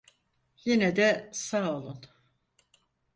Yine de sağ olun.